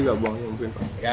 ada yang buangnya mungkin pak